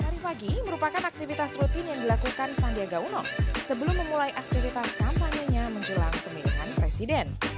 hari pagi merupakan aktivitas rutin yang dilakukan sandiaga uno sebelum memulai aktivitas kampanyenya menjelang pemilihan presiden